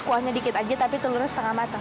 kuahnya dikit aja tapi telurnya setengah matang